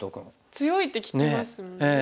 強いって聞きますもんね。